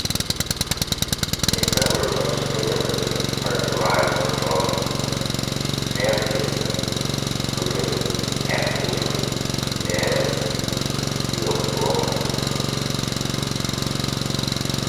A number of stimulants are derived from xanthine, including caffeine and theobromine.